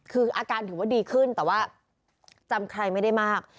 คืออาการถือว่าดีขึ้นแต่ว่าจำใครไม่ได้มาก